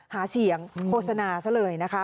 หาเสียงโฆษณาซะเลยนะคะ